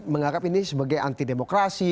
menganggap ini sebagai anti demokrasi